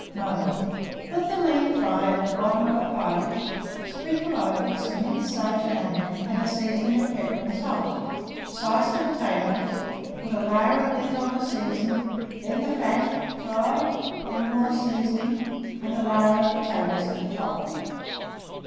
Mode. Put the lean fry at the bottom of a pie dish, sprinkle over it some minced sage and onion, and a seasoning of pepper and salt; slice the potatoes; put a layer of these on the seasoning, then the fat fry, then more seasoning, and a layer of potatoes at the top.